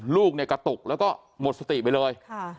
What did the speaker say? ลูกเนี่ยกระตุกแล้วก็หมดสติไปเลย